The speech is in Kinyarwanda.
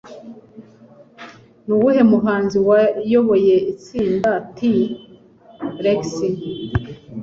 Ni uwuhe muhanzi wayoboye itsinda T-Rex?